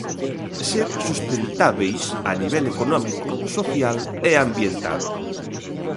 Ser sustentábeis a nivel económico, social e ambiental.